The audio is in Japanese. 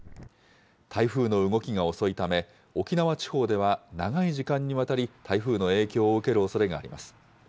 台風の動きが遅いため、沖縄地方では長い時間にわたり、台風の影響を受けるおそれがあります。